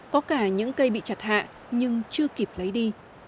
có cả những cây bị chặt hạ nhưng chưa kịp lấy đi